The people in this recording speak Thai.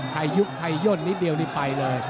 ใครยกใครยนต์นิดนึงดีไปเลย